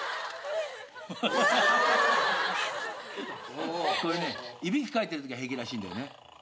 これねいびきかいてるときは平気らしいんだよね。